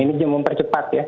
ini jemput percepat ya